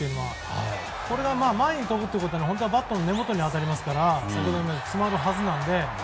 これが前に飛ぶということはバットの根元に当たりますから詰まるはずなので。